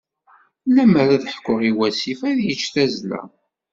Lemmer ad ḥkuɣ i wasif, ad yeǧǧ tazzla.